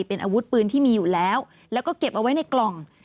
เป็นอาวุธปืนที่มีอยู่แล้วแล้วก็เก็บเอาไว้ในกล่อง